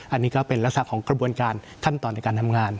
อันนี้ก็เป็นลักษณะของกระบวนการขั้นตอนในการทำงาน